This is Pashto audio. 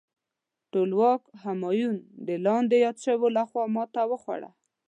ټولواک همایون د لاندې یاد شویو لخوا ماته وخوړه.